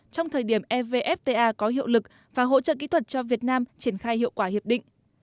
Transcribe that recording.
trong thời điểm evfta có hiệu lực và hỗ trợ kỹ thuật cho việt nam triển khai hiệu quả hiệp định